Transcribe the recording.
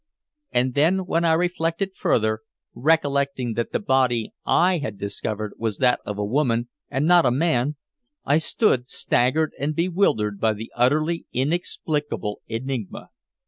And then when I reflected further, recollecting that the body I had discovered was that of a woman and not a man, I stood staggered and bewildered by the utterly inexplicable enigma.